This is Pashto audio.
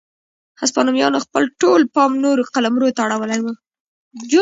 هسپانویانو خپل ټول پام نورو قلمرو ته اړولی و.